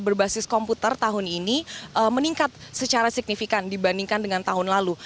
berbasis komputer tahun ini meningkat secara signifikan dibandingkan dengan tahun lalu